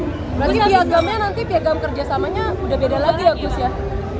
nanti piagamnya nanti piagam kerjasamanya udah beda lagi ya gus ya